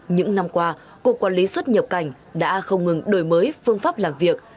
những năm qua cục quản lý xuất nhập cảnh đã không ngừng đổi mới phương pháp làm việc